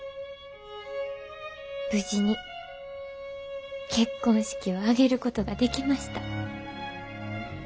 無事に結婚式を挙げることができました。